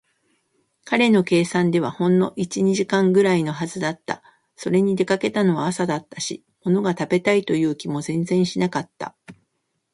彼の計算ではほんの一、二時間ぐらいのはずだった。それに、出かけたのは朝だったし、ものが食べたいという気も全然しなかった。